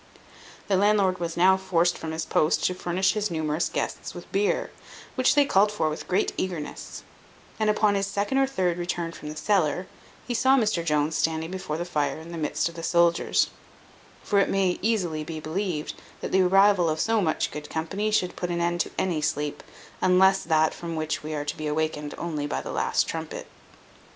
The landlord was now forced from his post to furnish his numerous guests with beer, which they called for with great eagerness; and upon his second or third return from the cellar, he saw Mr Jones standing before the fire in the midst of the soldiers; for it may easily be believed, that the arrival of so much good company should put an end to any sleep, unless that from which we are to be awakened only by the last trumpet.